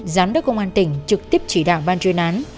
giám đốc công an tỉnh trực tiếp chỉ đạo ban chuyên án